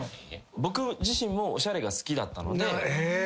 僕自身もおしゃれが好きだったので。